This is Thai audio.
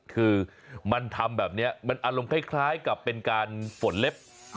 คือมันทำแบบนี้มันอารมณ์คล้ายกับเป็นการฝนเล็บ